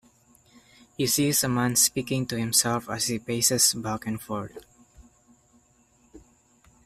He sees a man speaking to himself as he paces back and forth.